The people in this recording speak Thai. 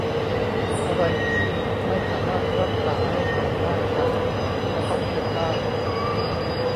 อะไรที่ไม่สามารถรักษาให้หายได้นั้นจะต้องทนได้